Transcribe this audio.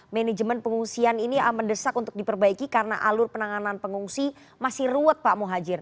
manajemen pengungsian ini mendesak untuk diperbaiki karena alur penanganan pengungsi masih ruwet pak muhajir